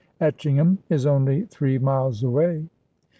"Etchingham is only three miles away."